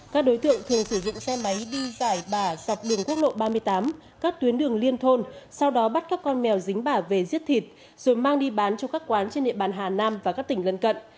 các đối tượng thường sử dụng xe máy đi giải bả sạc đường quốc lộ ba mươi tám các tuyến đường liên thôn sau đó bắt các con mèo dính bả về giết thịt rồi mang đi bán cho các quán trên địa bàn hà nam và các tỉnh lân cận